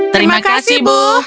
terima kasih bu